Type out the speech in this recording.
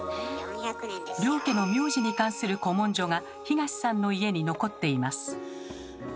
両家の名字に関する古文書が東さんの家に残っています。